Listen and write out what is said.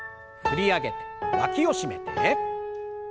振り上げてわきを締めて。